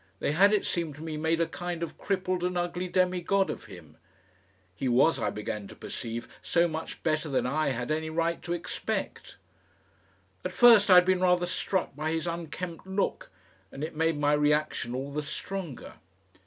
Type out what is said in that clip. They had, it seemed to me, made a kind of crippled and ugly demigod of him. He was, I began to perceive, so much better than I had any right to expect. At first I had been rather struck by his unkempt look, and it made my reaction all the stronger.